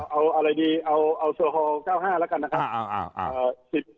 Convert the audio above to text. เอาอะไรดีเอาโซฮอล๙๕แล้วกันนะครับ